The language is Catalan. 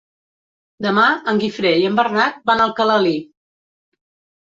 Demà en Guifré i en Bernat van a Alcalalí.